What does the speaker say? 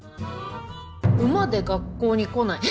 「馬で学校に来ない」